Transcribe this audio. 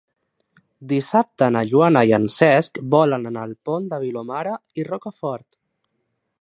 Dissabte na Joana i en Cesc volen anar al Pont de Vilomara i Rocafort.